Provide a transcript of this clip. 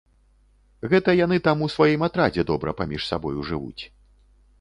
Гэта яны там у сваім атрадзе добра паміж сабою жывуць.